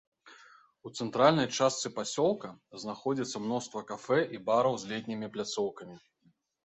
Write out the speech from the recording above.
У цэнтральнай частцы пасёлка знаходзіцца мноства кафэ і бараў з летнімі пляцоўкамі.